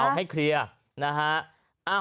เอาให้เคลียร์นะฮะ